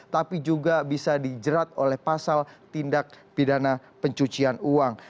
tapi juga bisa dijerat oleh pasal tindak pidana pencucian uang